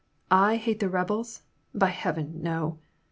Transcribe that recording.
I hate the rebels ? By Heaven, no